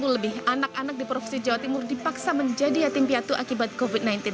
sepuluh lebih anak anak di provinsi jawa timur dipaksa menjadi yatim piatu akibat covid sembilan belas